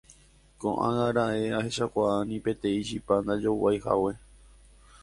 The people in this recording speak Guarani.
ko'ág̃a raẽ ahechakuaa ni peteĩ chipa ndajoguaihague